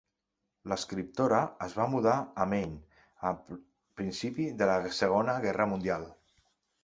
L'escriptora es va mudar a Maine a principi de la Segona Guerra Mundial.